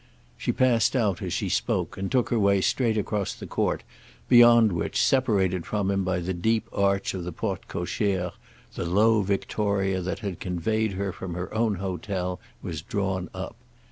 She passed out as she spoke and took her way straight across the court, beyond which, separated from them by the deep arch of the porte cochère the low victoria that had conveyed her from her own hotel was drawn up.